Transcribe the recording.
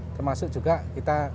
termasuk juga kita